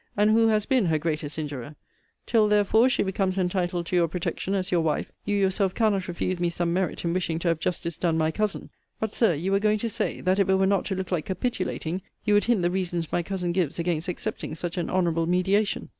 And who has been her greatest injurer? Till, therefore, she becomes entitled to your protection, as your wife, you yourself cannot refuse me some merit in wishing to have justice done my cousin. But, Sir, you were going to say, that if it were not to look like capitulating, you would hint the reasons my cousin gives against accepting such an honourable mediation?